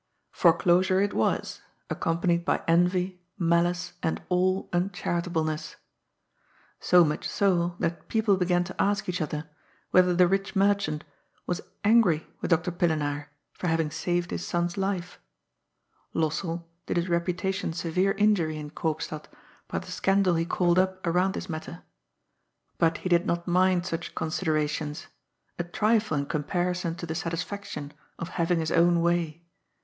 Foreclosure it was, accompanied by envy, malice, and all uncharitableness ; so much so that people began to ask each other whether the rich merchant was angry with Dr. Pillenaar for having saved his son's life. Lossell did his reputation severe injury in Koopstad by the scandal he called up around this matter ; but he did not mind such considerations a trifle in comparison to the satisfaction of having his own way.